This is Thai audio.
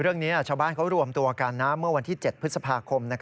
เรื่องนี้ชาวบ้านเขารวมตัวกันเมื่อวันที่๗พฤษภาคม